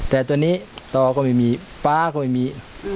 แต่ตัวนี้ต่อก็ไม่มีฟ้าก็ไม่มี